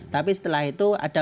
tapi setelah itu ada